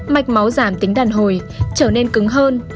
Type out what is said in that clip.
mạch máu giảm tính đàn hồi trở nên cứng hơn